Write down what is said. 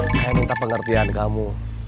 saya minta pengertian kamu